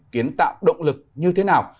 kiến tạo động lực như thế nào